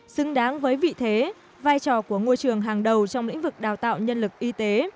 xứng đáng với vị thế vai trò của ngôi trường hàng đầu trong lĩnh vực đào tạo nhân lực y tế